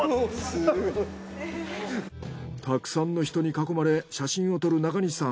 たくさんの人に囲まれ写真を撮る中西さん。